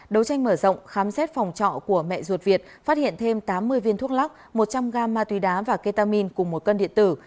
đấu tranh mở rộng khám xét phòng trọ của mẹ ruột việt phát hiện thêm tám mươi viên thuốc lắc một trăm linh gam ma túy đá và ketamin cùng một cân điện tử